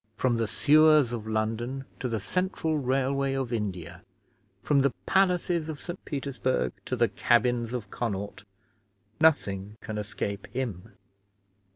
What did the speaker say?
From the sewers of London to the Central Railway of India, from the palaces of St Petersburg to the cabins of Connaught, nothing can escape him.